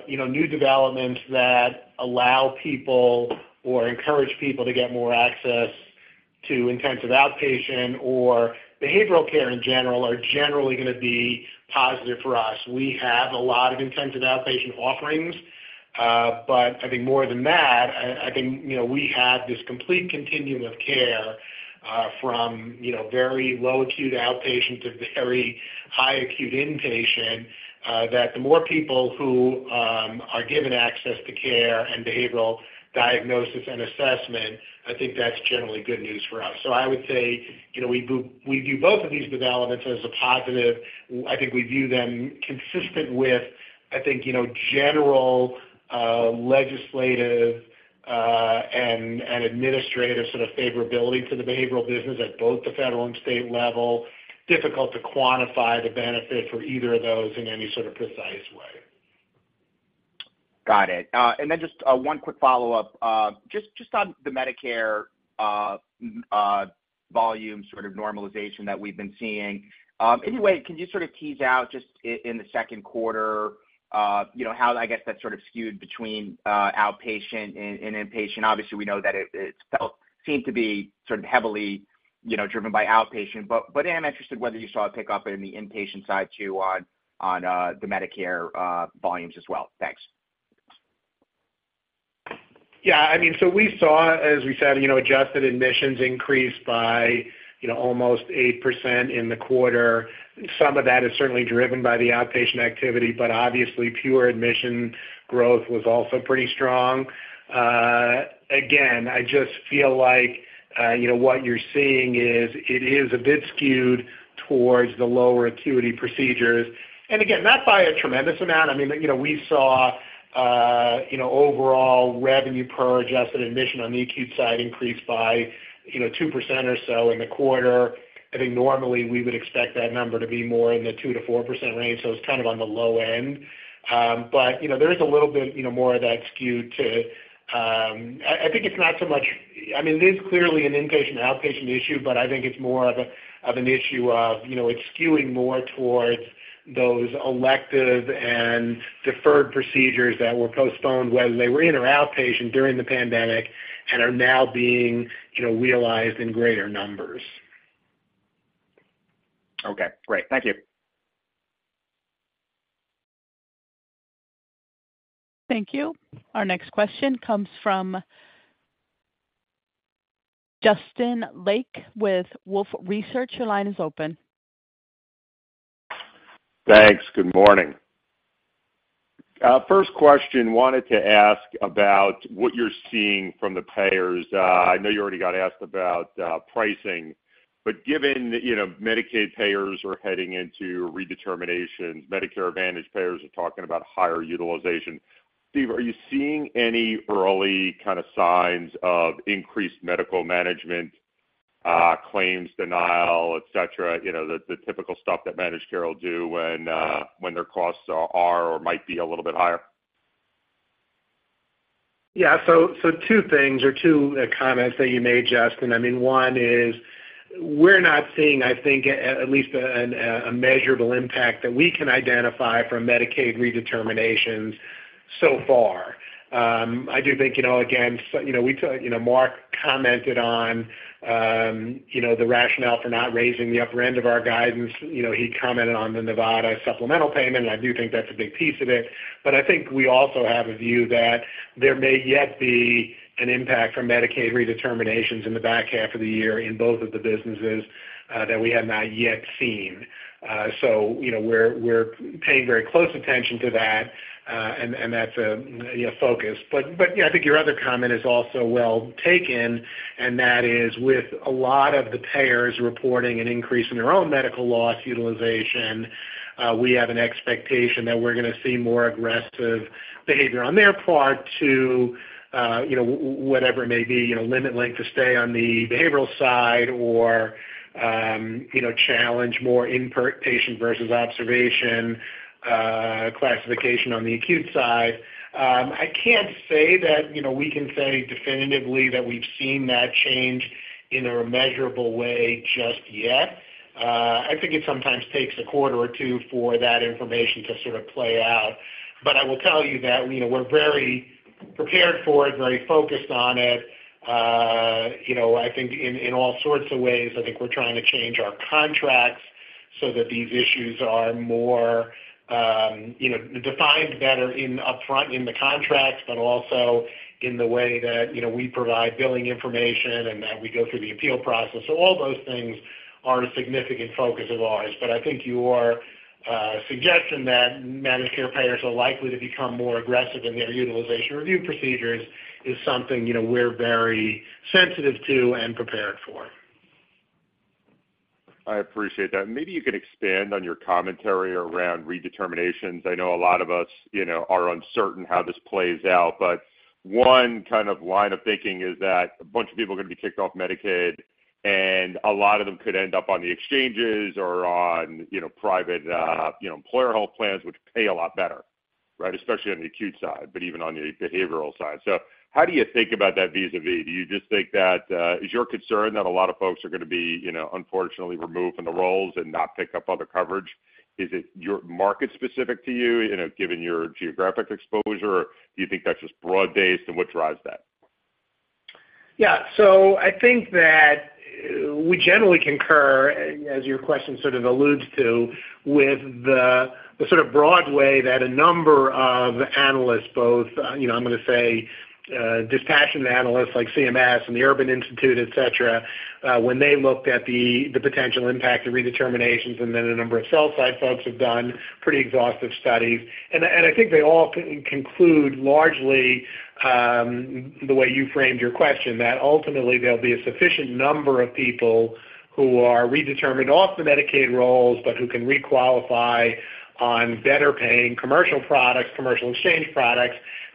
you know, new developments that allow people or encourage people to get more access to intensive outpatient or behavioral care in general, are generally gonna be positive for us. We have a lot of intensive outpatient offerings, but I think more than that, I think, you know, we have this complete continuum of care, from, you know, very low acute outpatient to very high acute inpatient, that the more people who are given access to care and behavioral diagnosis and assessment, I think that's generally good news for us. I would say, you know, we view both of these developments as a positive. I think we view them consistent with, I think, you know, general, legislative, and administrative sort of favorability to the behavioral business at both the federal and state level. Difficult to quantify the benefit for either of those in any sort of precise way. Got it. Just one quick follow-up, just on the Medicare volume sort of normalization that we've been seeing. Any way, can you sort of tease out just in the second quarter, you know, how, I guess, that sort of skewed between outpatient and inpatient? Obviously, we know that it seemed to be sort of heavily, you know, driven by outpatient, but I am interested whether you saw a pickup in the inpatient side, too, on the Medicare volumes as well. Thanks. Yeah, I mean, we saw, as we said, you know, adjusted admissions increase by, you know, almost 8% in the quarter. Some of that is certainly driven by the outpatient activity, but obviously, pure admission growth was also pretty strong. Again, I just feel like, you know, what you're seeing is, it is a bit skewed towards the lower acuity procedures. Again, not by a tremendous amount. I mean, you know, we saw, you know, overall revenue per adjusted admission on the acute side increase by, you know, 2% or so in the quarter. I think normally we would expect that number to be more in the 2%-4% range, so it's kind of on the low end. You know, there is a little bit, you know, more of that skew to, I mean, it is clearly an inpatient and outpatient issue, but I think it's more of a, of an issue of, you know, it's skewing more towards those elective and deferred procedures that were postponed, whether they were in or outpatient during the pandemic and are now being, you know, realized in greater numbers. Okay, great. Thank you. Thank you. Our next question comes from Justin Lake with Wolfe Research. Your line is open. Thanks. Good morning. First question, wanted to ask about what you're seeing from the payers. I know you already got asked about pricing, but given, you know, Medicaid payers are heading into redetermination, Medicare Advantage payers are talking about higher utilization, Steve, are you seeing any early kind of signs of increased medical management, claims denial, et cetera, you know, the typical stuff that managed care will do when their costs are or might be a little bit higher? Yeah, two things or two comments that you made, Justin. I mean, one is, we're not seeing, I think, at least a measurable impact that we can identify from Medicaid redeterminations so far. I do think, you know, again, you know, Marc commented on, you know, the rationale for not raising the upper end of our guidance. You know, he commented on the Nevada supplemental payment, and I do think that's a big piece of it. I think we also have a view that there may yet be an impact from Medicaid redeterminations in the back half of the year in both of the businesses that we have not yet seen. You know, we're paying very close attention to that, and that's a, you know, focus. Yeah, I think your other comment is also well taken, and that is with a lot of the payers reporting an increase in their own medical loss utilization, we have an expectation that we're gonna see more aggressive behavior on their part to, you know, whatever it may be, you know, limit length to stay on the behavioral side or, you know, challenge more inpatient versus observation classification on the acute side. I can't say that, you know, we can say definitively that we've seen that change in a measurable way just yet. I think it sometimes takes a quarter or two for that information to sort of play out. I will tell you that, you know, we're very prepared for it, very focused on it. You know, I think in all sorts of ways, I think we're trying to change our contracts so that these issues are more, you know, defined better in upfront in the contracts, but also in the way that, you know, we provide billing information and that we go through the appeal process. All those things are a significant focus of ours. I think your suggestion that managed care payers are likely to become more aggressive in their utilization review procedures is something, you know, we're very sensitive to and prepared for. I appreciate that. Maybe you can expand on your commentary around redeterminations. I know a lot of us, you know, are uncertain how this plays out, but one kind of line of thinking is that a bunch of people are going to be kicked off Medicaid, and a lot of them could end up on the exchanges or on, you know, private, you know, employer health plans, which pay a lot better, right? Especially on the acute side, but even on the behavioral side. How do you think about that vis-a-vis? Do you just think that is your concern that a lot of folks are going to be, you know, unfortunately, removed from the rolls and not pick up other coverage? Is it your market specific to you know, given your geographic exposure, or do you think that's just broad-based, and what drives that? I think that we generally concur, as your question sort of alludes to, with the sort of broad way that a number of analysts, both, you know, I'm going to say, dispassionate analysts like CMS and the Urban Institute, et cetera, when they looked at the potential impact of redeterminations, and then a number of sell-side folks have done pretty exhaustive studies. And I think they all conclude largely the way you framed your question, that ultimately there'll be a sufficient number of people who are redetermined off the Medicaid rolls, but who can requalify on better paying commercial products, commercial exchange products,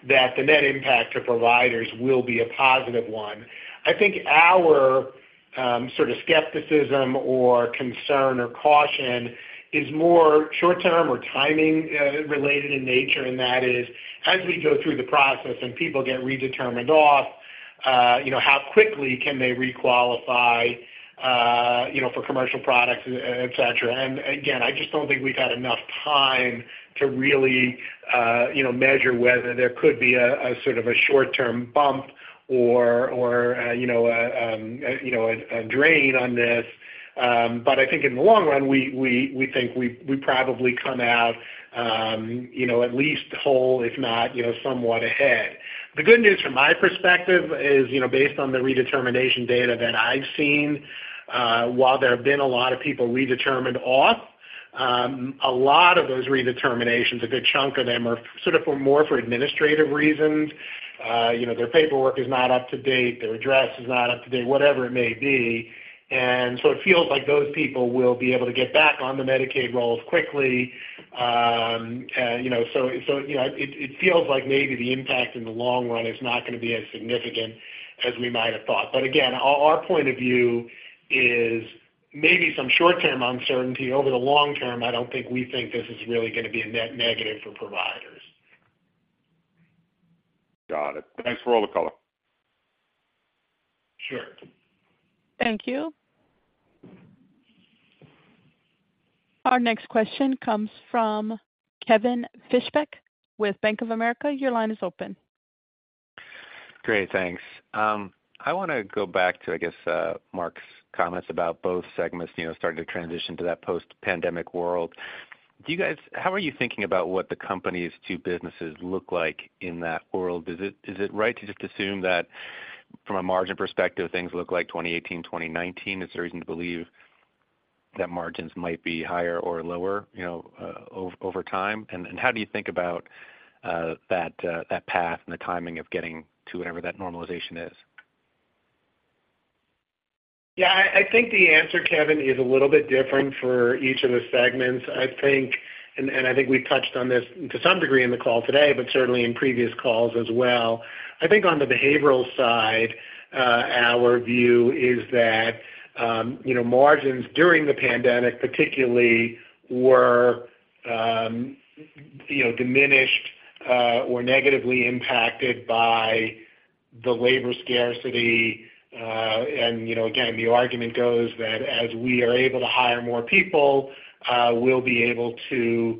that the net impact to providers will be a positive one. I think our sort of skepticism or concern or caution is more short term or timing related in nature, and that is, as we go through the process and people get redetermined off, you know, how quickly can they requalify, you know, for commercial products, et cetera. Again, I just don't think we've had enough time to really, you know, measure whether there could be a sort of a short-term bump or, you know, a drain on this. I think in the long run, we think we probably come out, you know, at least whole, if not, you know, somewhat ahead. The good news from my perspective is, you know, based on the redetermination data that I've seen, while there have been a lot of people redetermined off, a lot of those redeterminations, a good chunk of them, are sort of for more for administrative reasons. You know, their paperwork is not up to date, their address is not up to date, whatever it may be. It feels like those people will be able to get back on the Medicaid rolls quickly. You know, it feels like maybe the impact in the long run is not gonna be as significant as we might have thought. Again, our point of view is maybe some short-term uncertainty. Over the long term, I don't think we think this is really gonna be a net negative for providers. Got it. Thanks for all the color. Sure. Thank you. Our next question comes from Kevin Fischbeck with Bank of America. Your line is open. Great, thanks. I wanna go back to, I guess, Marc Miller's comments about both segments, you know, starting to transition to that post-pandemic world. How are you thinking about what the company's two businesses look like in that world? Is it, is it right to just assume that from a margin perspective, things look like 2018, 2019? Is there a reason to believe that margins might be higher or lower, you know, over time? How do you think about that path and the timing of getting to whatever that normalization is? I think the answer, Kevin, is a little bit different for each of the segments. I think we touched on this to some degree in the call today, but certainly in previous calls as well. I think on the behavioral side, our view is that, you know, margins during the pandemic, particularly were, you know, diminished, or negatively impacted by the labor scarcity. You know, again, the argument goes that as we are able to hire more people, we'll be able to,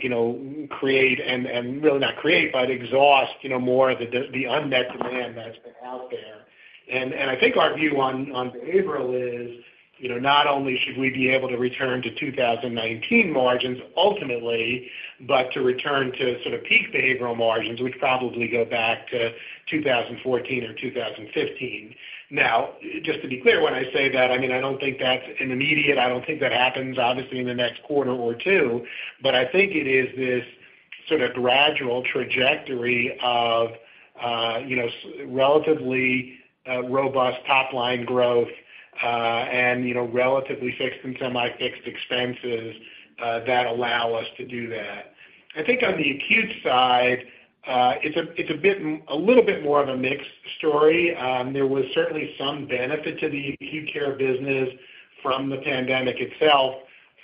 you know, create and really not create, but exhaust, you know, more of the unmet demand that's been out there. I think our view on behavioral is, you know, not only should we be able to return to 2019 margins ultimately, but to return to sort of peak behavioral margins, which probably go back to 2014 or 2015. Just to be clear, when I say that, I mean, I don't think that's in the immediate. I don't think that happens, obviously, in the next quarter or two, but I think it is this sort of gradual trajectory of, you know, relatively robust top line growth, and, you know, relatively fixed and semi-fixed expenses that allow us to do that. I think on the acute side, it's a little bit more of a mixed story. There was certainly some benefit to the acute care business from the pandemic itself,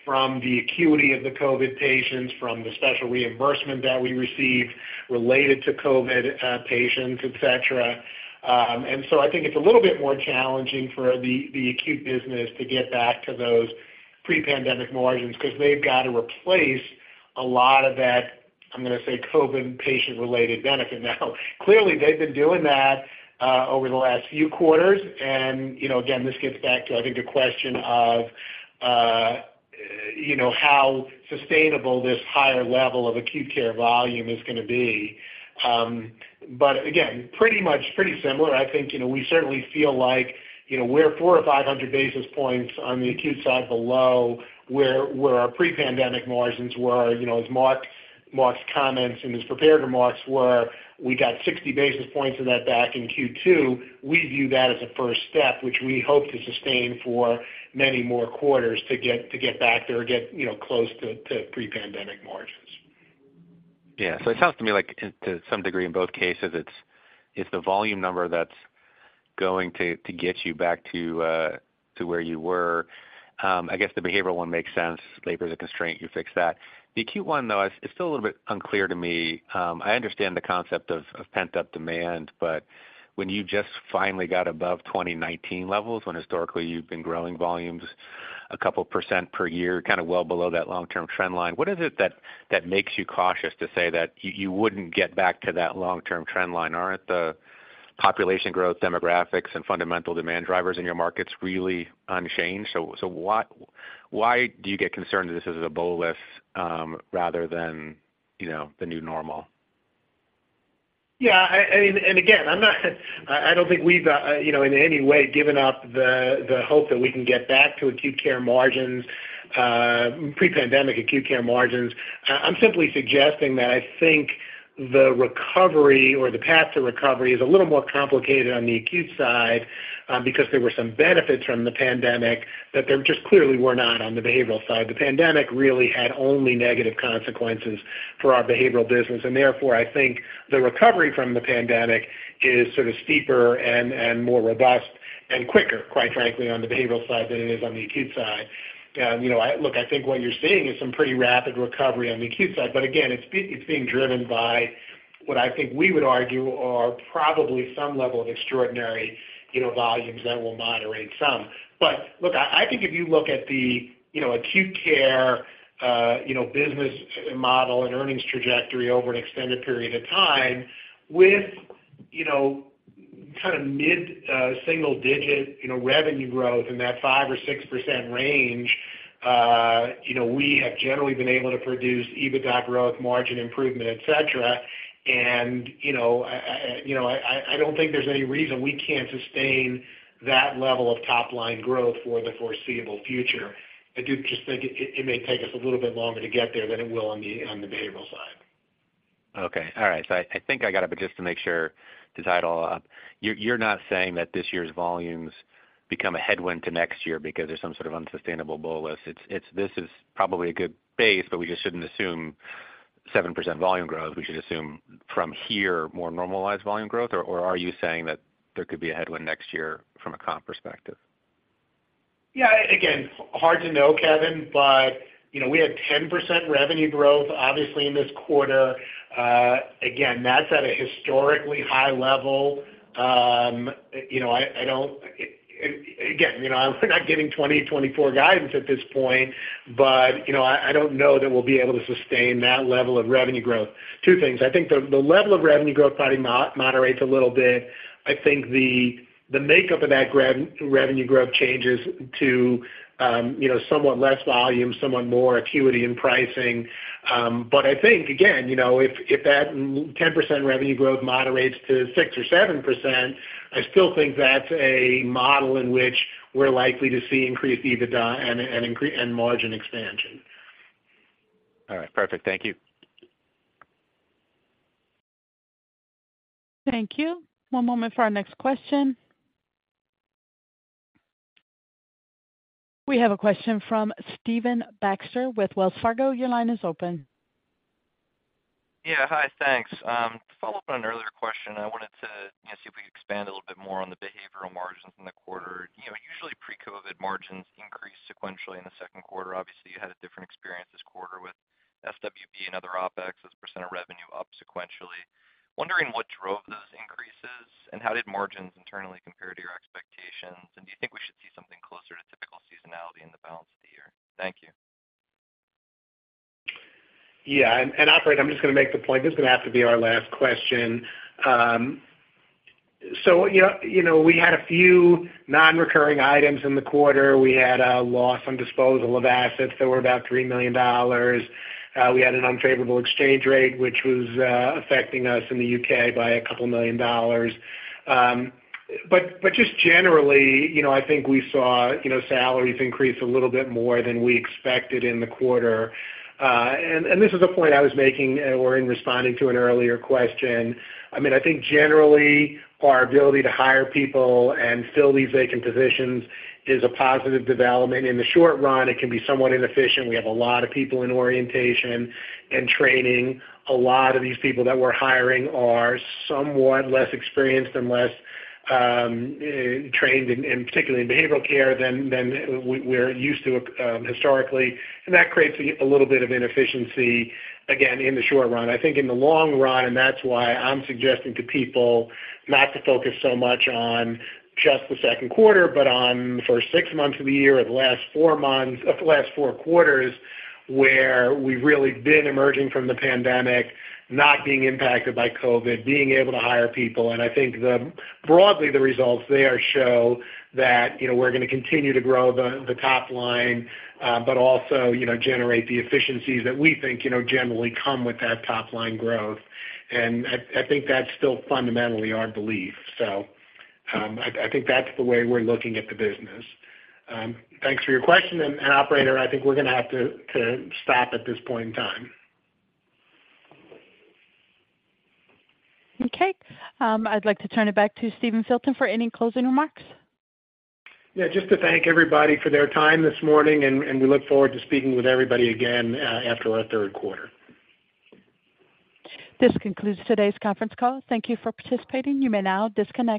from the acuity of the COVID patients, from the special reimbursement that we received related to COVID patients, et cetera. I think it's a little bit more challenging for the acute business to get back to those pre-pandemic margins, because they've got to replace a lot of that, I'm gonna say, COVID patient-related benefit. Now, clearly, they've been doing that over the last few quarters, and, you know, again, this gets back to, I think, the question of, you know, how sustainable this higher level of acute care volume is gonna be. But again, pretty much pretty similar. I think, you know, we certainly feel like, you know, we're 400 or 500 basis points on the acute side below where our pre-pandemic margins were. You know, as Marc's comments and his prepared remarks were, we got 60 basis points of that back in Q2. We view that as a first step, which we hope to sustain for many more quarters to get back there or get, you know, close to pre-pandemic margins. Yeah. It sounds to me like to some degree, in both cases, it's the volume number that's going to get you back to where you were. I guess the behavioral one makes sense. Labor is a constraint, you fix that. The acute one, though, is still a little bit unclear to me. I understand the concept of pent-up demand, when you just finally got above 2019 levels, when historically you've been growing volumes a couple % per year, kind of well below that long-term trend line, what is it that makes you cautious to say that you wouldn't get back to that long-term trend line? Aren't the population growth, demographics, and fundamental demand drivers in your markets really unchanged? Why do you get concerned this is a bull lift, rather than, you know, the new normal? Yeah, I don't think we've, you know, in any way given up the hope that we can get back to acute care margins, pre-pandemic acute care margins. I'm simply suggesting that I think the recovery or the path to recovery is a little more complicated on the acute side because there were some benefits from the pandemic that there just clearly were not on the behavioral side. The pandemic really had only negative consequences for our behavioral business, therefore, I think the recovery from the pandemic is sort of steeper and more robust and quicker, quite frankly, on the behavioral side than it is on the acute side. You know, look, I think what you're seeing is some pretty rapid recovery on the acute side, but again, it's being driven by what I think we would argue are probably some level of extraordinary, you know, volumes that will moderate some. Look, I think if you look at the, you know, acute care, you know, business model and earnings trajectory over an extended period of time, with, you know, kind of mid, single digit, you know, revenue growth in that 5% or 6% range, you know, we have generally been able to produce EBITDA growth, margin improvement, et cetera. You know, I don't think there's any reason we can't sustain that level of top-line growth for the foreseeable future. I do just think it may take us a little bit longer to get there than it will on the behavioral side. Okay. All right. I think I got it, but just to make sure to tie it all up, you're not saying that this year's volumes become a headwind to next year because there's some sort of unsustainable bolus? It's probably a good base, but we just shouldn't assume 7% volume growth. We should assume from here, more normalized volume growth, or are you saying that there could be a headwind next year from a comp perspective? Yeah, again, hard to know, Kevin, you know, we had 10% revenue growth, obviously, in this quarter. Again, that's at a historically high level. You know, I don't, again, you know, I'm not giving 2024 guidance at this point, you know, I don't know that we'll be able to sustain that level of revenue growth. Two things: I think the level of revenue growth probably moderates a little bit. I think the makeup of that revenue growth changes to, you know, somewhat less volume, somewhat more acuity in pricing. I think, again, you know, if that 10% revenue growth moderates to 6% or 7%, I still think that's a model in which we're likely to see increased EBITDA and margin expansion. All right. Perfect. Thank you. Thank you. One moment for our next question. We have a question from Stephen Baxter with Wells Fargo. Your line is open. Yeah. Hi, thanks. To follow up on an earlier question, I wanted to, you know, see if we could expand a little bit more on the behavioral margins in the quarter. You know, usually, pre-COVID margins increased sequentially in the second quarter. Obviously, you had a different experience this quarter with SWB and other OpEx as a % of revenue up sequentially. Wondering what drove those increases, and how did margins internally compare to your expectations? Do you think we should see something closer to typical seasonality in the balance of the year? Thank you. Operator, I'm just gonna make the point, this is gonna have to be our last question. You know, we had a few non-recurring items in the quarter. We had a loss on disposal of assets that were about $3 million. We had an unfavorable exchange rate, which was affecting us in the UK by GBP 2 million. Just generally, you know, I think we saw salaries increase a little bit more than we expected in the quarter. This is a point I was making or in responding to an earlier question. I mean, I think generally, our ability to hire people and fill these vacant positions is a positive development. In the short run, it can be somewhat inefficient. We have a lot of people in orientation and training. A lot of these people that we're hiring are somewhat less experienced and less trained in particularly in behavioral care than we're used to historically, and that creates a little bit of inefficiency, again, in the short run. I think in the long run, and that's why I'm suggesting to people not to focus so much on just the second quarter, but on the first six months of the year or the last four quarters, where we've really been emerging from the pandemic, not being impacted by COVID, being able to hire people. I think the, broadly, the results there show that, you know, we're gonna continue to grow the top line, but also, you know, generate the efficiencies that we think, you know, generally come with that top-line growth. I think that's still fundamentally our belief. I think that's the way we're looking at the business. Thanks for your question, and operator, I think we're gonna have to stop at this point in time. Okay. I'd like to turn it back to Steven Filton for any closing remarks. Yeah, just to thank everybody for their time this morning, and we look forward to speaking with everybody again, after our third quarter. This concludes today's conference call. Thank you for participating. You may now disconnect.